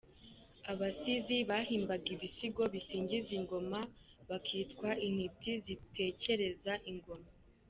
Abasizi : Bahimbaga ibisigo bisingiza ingoma, bakitwa Intiti zitekererza ingoma.